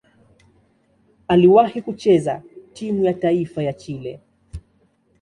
Aliwahi kucheza timu ya taifa ya Chile.